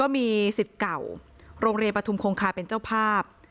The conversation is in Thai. มีสิทธิ์เก่าโรงเรียนปฐุมคงคาเป็นเจ้าภาพ